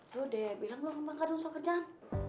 lo deh bilang lu emang gak ada usaha kerjaan